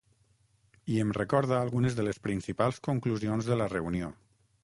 I em recorda algunes de les principals conclusions de la reunió.